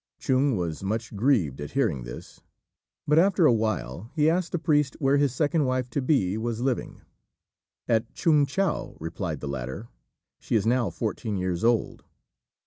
Chung was much grieved at hearing this; but after a while he asked the priest where his second wife to be was living. "At Chung chou," replied the latter; "she is now fourteen years old."